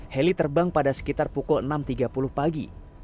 heli terbang pada sekitar pukul enam tiga puluh pagi